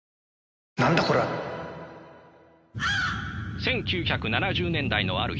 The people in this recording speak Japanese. １９７０年代のある日